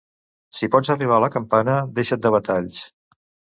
Si pots arribar a la campana, deixa't de batalls.